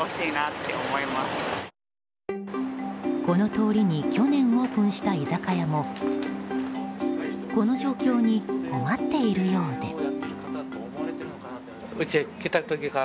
この通りに去年オープンした居酒屋もこの状況に困っているようで。